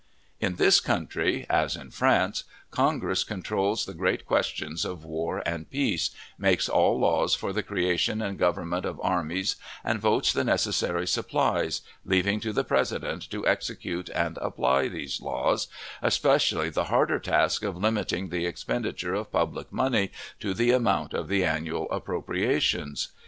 In this country, as in France, Congress controls the great questions of war and peace, makes all laws for the creation and government of armies, and votes the necessary supplies, leaving to the President to execute and apply these laws, especially the harder task of limiting the expenditure of public money to the amount of the annual appropriations.